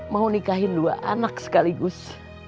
mau nikahin dua anak sekaligus